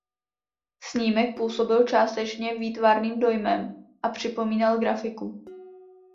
Snímek působil částečně výtvarným dojmem a připomínal grafiku.